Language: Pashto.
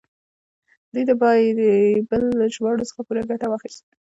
دوی د بایبل له ژباړو څخه پوره ګټه واخیسته.